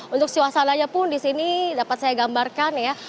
untuk suasananya pun di sini dapat saya gambarkan ya